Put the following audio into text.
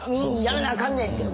「やらなあかんねん！」っていう。